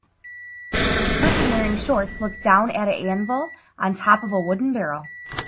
A person wearing shorts looks down at a anvil on top of a wooden barrel.